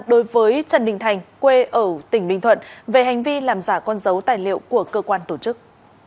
đối với trần đình thành quê ở tỉnh bình thuận về hành vi làm giả con dấu tài liệu của cơ quan tổ chức